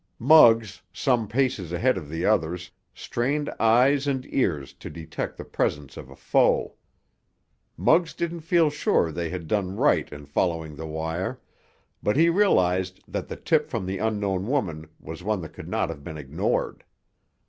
Muggs, some paces ahead of the others, strained eyes and ears to detect the presence of a foe. Muggs didn't feel sure they had done right in following the wire, but he realized that the tip from the unknown woman was one that could not have been ignored.